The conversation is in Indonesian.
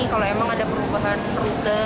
kalau emang ada perubahan rute